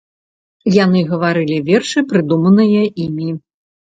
Яны гаварылі вершы, прыдуманыя імі.